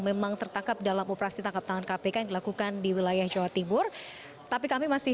memang tertangkap dalam operasi tangkap tangan kpk yang dilakukan di wilayah jawa timur tapi kami masih